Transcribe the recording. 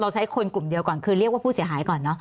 ใช้คนกลุ่มเดียวก่อนคือเรียกว่าผู้เสียหายก่อนเนอะ